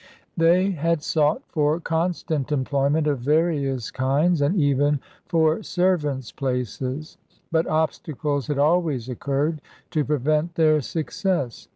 They had sought for constant employment of various kinds, and even for servants' places; but obstacles had always occurred to prevent their success.